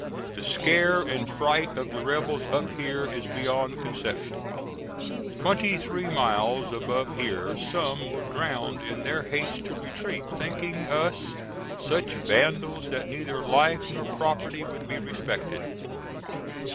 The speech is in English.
The scare and fright of the rebels up here is beyond conception. Twenty three miles above here some were drowned in their haste to retreat, thinking us such vandals that neither life nor property would be respected.